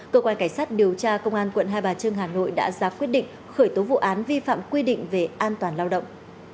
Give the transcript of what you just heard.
cơ quan cảnh sát điều tra công an quận hai bà trưng hà nội đã ra quyết định khởi tố vụ án vi phạm quy định về an toàn lao động